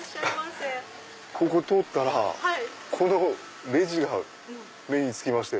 ここ通ったらこのレジが目に付きまして。